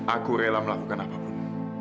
aku rela melakukan apapun